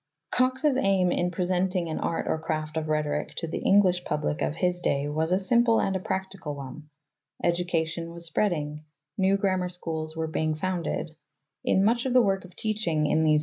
Cox's aim in presenting an Art or Craft of Rhetoric to the Eng lish public of his day was a simple and practical one. Education AimandPlan was spreading; new grammar schools were being, of Cox's founded ; in much of the work of teaching in these Rhetoric.